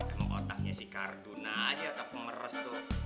emang otaknya si karduna aja atau pemeres tuh